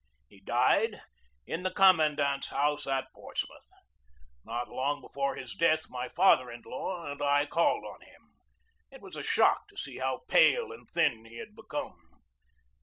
He died in the commandant's house at Portsmouth. Not long be fore his death my father in law and I called on him. It was a shock to see how pale and thin he had be come.